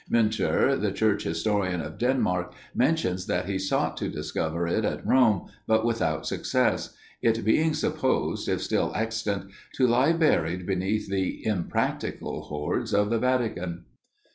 Munter, the church historian of Denmark, mentions that he sought to discover it at Rome, but without success; it being supposed, if still extant, to lie buried beneath the impracticable hoards of the Vatican.